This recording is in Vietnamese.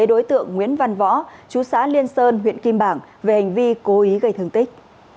đối tượng nguyễn văn võ chú xã liên sơn huyện kim bảng về hành vi cố ý gây thương tích